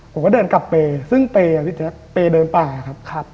ผมก็เดินกลับเปรย์ซึ่งเปรย์เปรย์เดินป่าครับ